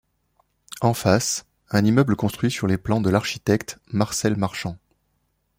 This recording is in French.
En face, un immeuble construit sur les plans de l'architecte Marcel Marchand.